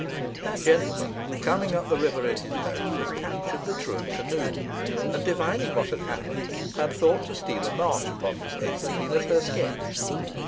That gentleman, coming up the river in his boat, had captured the truant canoe, and divining what had happened, had thought to steal a march upon Miss Hazeltine at her sketch.